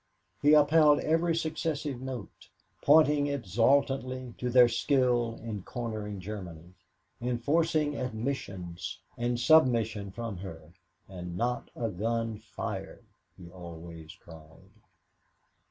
He upheld every successive note, pointing exultantly to their skill in cornering Germany, in forcing admissions and submission from her. "And not a gun fired," he always cried.